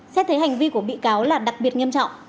xét thấy hành vi của bị cáo là đặc biệt nghiêm trọng